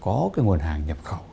có nguồn hàng nhập khẩu